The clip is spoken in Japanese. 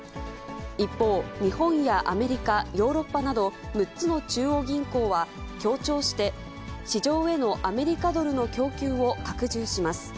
一方、日本やアメリカ、ヨーロッパなど６つの中央銀行は、協調して市場へのアメリカドルの供給を拡充します。